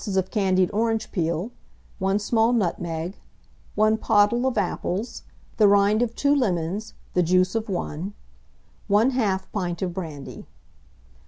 of candied orange peel, 1 small nutmeg, 1 pottle of apples, the rind of 2 lemons, the juice of 1, 1/2 pint of brandy.